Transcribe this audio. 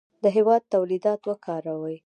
د هېواد تولیدات وکاروئ.